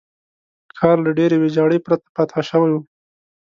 ښار له ډېرې ویجاړۍ پرته فتح شوی وو.